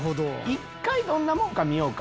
一回どんなもんか見ようか。